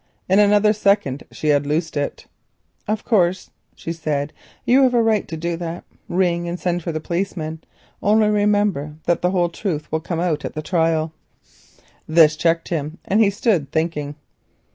In another second she had loosed it. "Of course," she said, "you have a right to do that. Ring and send for the policeman, only remember that nothing is known now, but the whole truth will come out at the trial." This checked him, and he stood thinking.